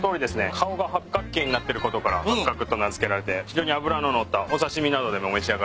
顔が八角形になってることからハッカクと名付けられて非常に脂の乗ったお刺し身などでも召し上がれる。